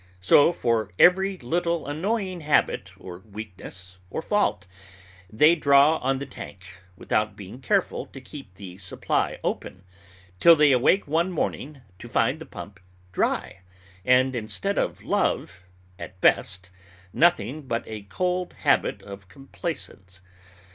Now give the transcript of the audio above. So, for every little annoying habit, or weakness, or fault, they draw on the tank, without being careful to keep the supply open, till they awake one morning to find the pump dry, and, instead of love, at best, nothing but a cold habit of complacence.